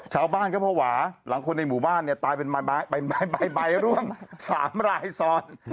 ชาวบ้านก็ภาวะหลังคนในหมู่บ้านเนี่ยตายเป็นใบร่วง๓รายซ้อน